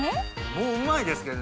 もううまいですけどね。